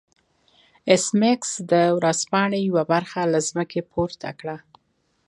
ایس میکس د ورځپاڼې یوه برخه له ځمکې پورته کړه